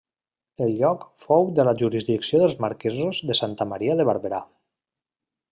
El lloc fou de la jurisdicció dels marquesos de Santa Maria de Barberà.